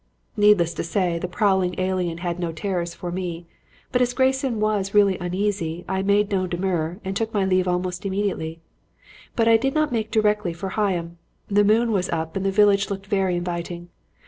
"Needless to say, the prowling alien had no terrors for me, but as Grayson was really uneasy, I made no demur and took my leave almost immediately. But I did not make directly for Higham. The moon was up and the village looked very inviting.